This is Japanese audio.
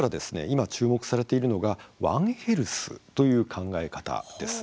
今、注目されているのが「ワンヘルス」という考え方です。